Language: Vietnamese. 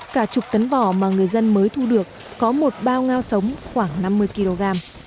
cả chục tấn bò mà người dân mới thu được có một bao ngao sống khoảng năm mươi kg